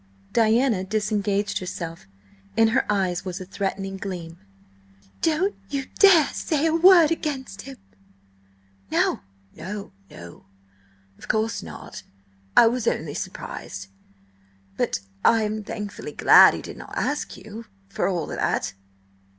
Diana disengaged herself; in her eyes was a threatening gleam. "Don't dare say a word against him!" "No, no–of course not! I was only surprised. But I am thankfully glad he did not ask you, for all that!"